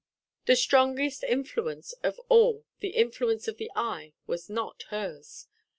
The strongest influence of all, the influence of the eye, was not hers.